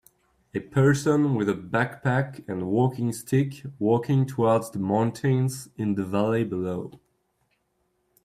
A person with a backpack and walking stick, walking towards the mountains in the valley below.